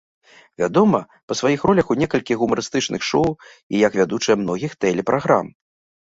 Вядома па сваіх ролях у некалькіх гумарыстычных шоу і як вядучая многіх тэлепраграм.